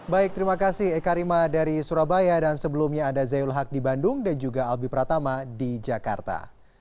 baik terima kasih eka rima dari surabaya dan sebelumnya ada zayul haq di bandung dan juga albi pratama di jakarta